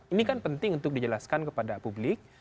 ini kan penting untuk dijelaskan kepada publik